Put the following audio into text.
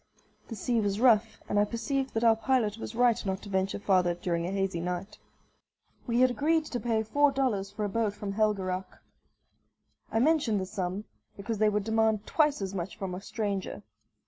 The sea was rough, and I perceived that our pilot was right not to venture farther during a hazy night. We had agreed to pay four dollars for a boat from Helgeraac. I mention the sum, because they would demand twice as much from a stranger.